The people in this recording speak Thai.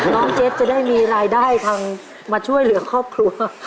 เจ๊บจะได้มีรายได้ทางมาช่วยเหลือครอบครัว